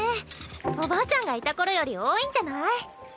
おばあちゃんがいた頃より多いんじゃない？